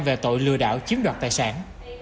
về tội lừa đảo chiếm đoạt tài sản